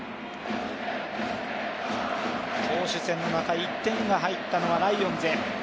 投手戦の中、１点が入ったのはライオンズ。